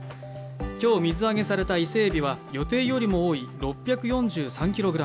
今日、水揚げされた伊勢えびは予定よりも多い６４３ｋｇ。